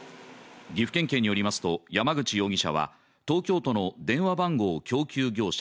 岐阜県警によりますと、山口容疑者は東京都の電話番号供給業者